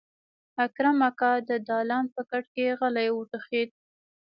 اکرم اکا د دالان په کټ کې غلی وټوخېد.